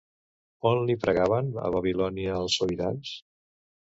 On li pregaven a Babilònia els sobirans?